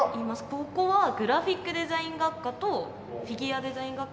ここはグラフィックデザイン学科とフィギュアデザイン学科。